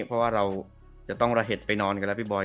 เพราะว่าเราจะต้องระเห็ดไปนอนกันแล้วพี่บอย